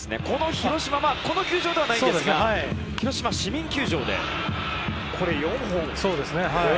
広島、この球場ではないんですが広島市民球場ですね。